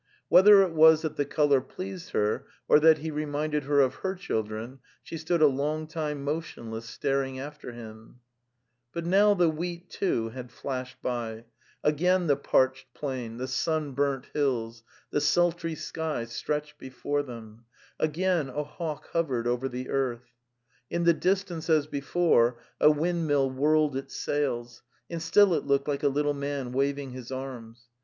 Whether it was that the colour pleased her or that he reminded her of her children, she stood a long time motionless star ing atter him: .|'. But now the Sea too, had flashed by; again the parched plain, the sunburnt hills, the sultry sky stretched before them; again a hawk hovered over the earth. In the distance, as before, a windmill whirled its sails, and still it looked like a little man waving hisarms.